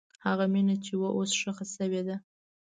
هغه مینه چې وه، اوس ښخ شوې ده.